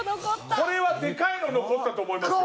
これはでかいの残ったと思いますよ。